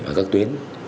ở các tuyến